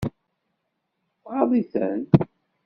Tɣaḍ-iten.